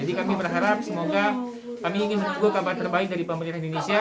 jadi kami berharap semoga kami ingin menunggu kabar terbaik dari pemerintah indonesia